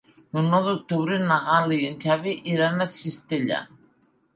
El nou d'octubre na Gal·la i en Xavi iran a Cistella.